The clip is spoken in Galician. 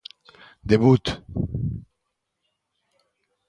Debut.